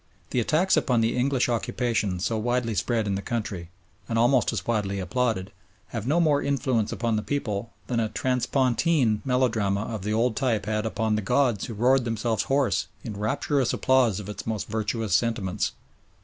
The attacks upon the English occupation so widely spread in the country, and almost as widely applauded, have no more influence upon the people than a "transpontine" melodrama of the old type had upon the "gods" who roared themselves hoarse in rapturous applause of its most virtuous sentiments.